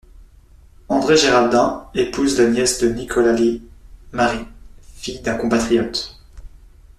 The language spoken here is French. André Géraldin épouse la nièce de Nicolas Lée, Marie, fille d'un compatriote.